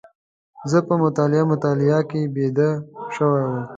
زه په مطالعه مطالعه کې بيده شوی وم.